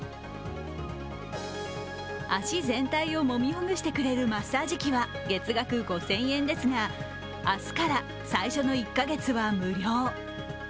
足全体をもみほぐしてくれるマッサージ器は月額５０００円ですが、明日から最初の１か月は無料。